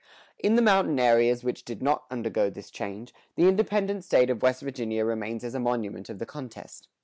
In the mountain areas which did not undergo this change, the independent state of West Virginia remains as a monument of the contest.